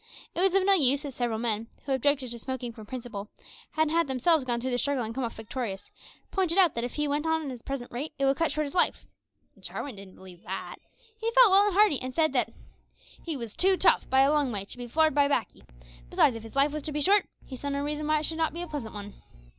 It was of no use that several men, who objected to smoking from principle, and had themselves gone through the struggle and come off victorious, pointed out that if he went on at his present rate, it would cut short his life. Jarwin didn't believe that. He felt well and hearty, and said that he "was too tough, by a long way, to be floored by baccy; besides, if his life was to be short, he saw no reason why it should not be a pleasant one."